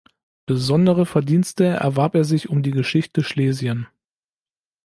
Besondere Verdienste erwarb er sich um die Geschichte Schlesien.